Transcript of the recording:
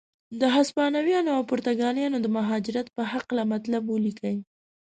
د هسپانویانو او پرتګالیانو د مهاجرت په هکله مطلب ولیکئ.